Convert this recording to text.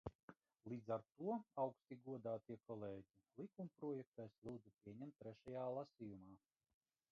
Līdz ar to, augsti godātie kolēģi, likumprojektu es lūdzu pieņemt trešajā lasījumā.